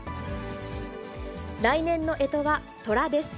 来年のえとは、とらです。